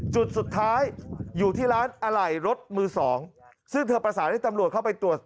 จุดสุดท้ายอยู่ที่ร้านอะไหล่รถมือสองซึ่งเธอประสานให้ตำรวจเข้าไปตรวจ